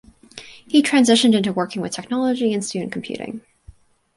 He transitioned into working with technology and student computing.